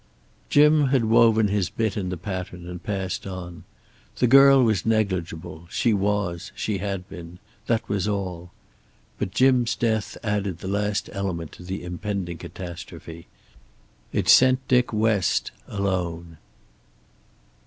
Jim had woven his bit in the pattern and passed on. The girl was negligible; she was, she had been. That was all. But Jim's death added the last element to the impending catastrophe. It sent Dick West alone.